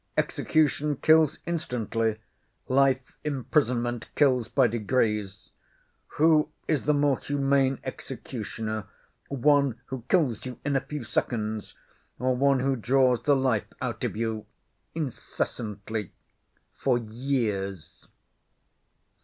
Execution kills instantly, life imprisonment kills by degrees. Who is the more humane executioner, one who kills you in a few seconds or one who draws the life out of you incessantly, for years?"